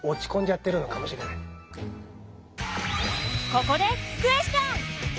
ここでクエスチョン！